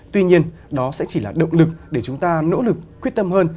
tuy nhiên đó sẽ chỉ là động lực để chúng ta nỗ lực quyết tâm hơn